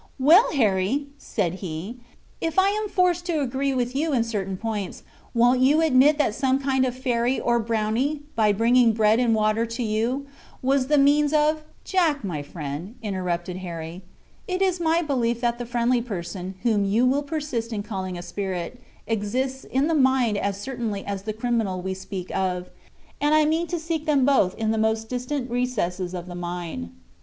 "Well, Harry," said he, "if I am forced to agree with you in certain points, won't you admit that some kind fairy or brownie, by bringing bread and water to you, was the means of—" "Jack, my friend," interrupted Harry, "it is my belief that the friendly person, whom you will persist in calling a spirit, exists in the mine as certainly as the criminal we speak of, and I mean to seek them both in the most distant recesses of the mine."